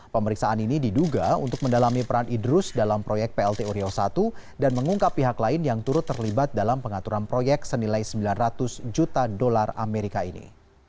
pemeriksaan ini diduga untuk mendalami peran idrus dalam proyek plt uriau i dan mengungkap pihak lain yang turut terlibat dalam pengaturan proyek senilai sembilan ratus juta dolar amerika ini